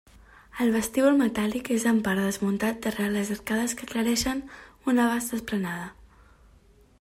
El vestíbul metàl·lic és en part desmuntat darrere les arcades que aclareixen una vasta esplanada.